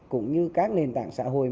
cũng như các nền tảng xã hội